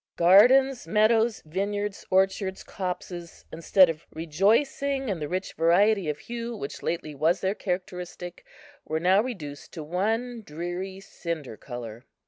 Gardens, meadows, vineyards, orchards, copses, instead of rejoicing in the rich variety of hue which lately was their characteristic, were now reduced to one dreary cinder colour.